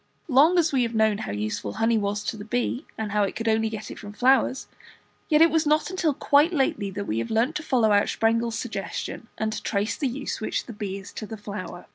Long as we have known how useful honey was to the bee, and how it could only get it from flowers, yet it was not till quite lately that we have learned to follow out Sprengel's suggestion, and to trace the use which the bee is to the flower.